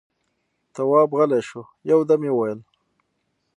تواب غلی شو، يودم يې وويل: